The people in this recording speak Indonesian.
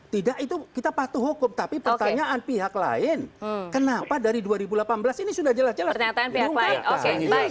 tidak itu kita patuh hukum tapi pertanyaan pihak lain kenapa dari dua ribu delapan belas ini sudah jelas jelas diungkap